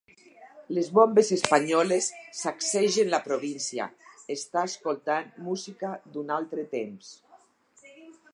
Les bombes espanyoles sacsegen la província, està escoltant música d'un altre temps.